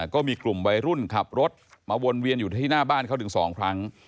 ก็มีกลุ่มวัยรุ่นขับรถมาวนเวียนอยู่ที่หน้าบ้านเขาถึง๒ครั้ง